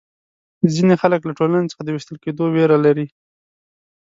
ځینې خلک له ټولنې څخه د وېستل کېدو وېره لري.